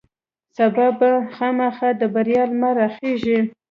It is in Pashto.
سبا به خامخا د بریا لمر راخیژي.